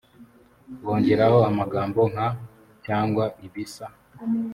bongeraho amagambo nka cyangwa ibisa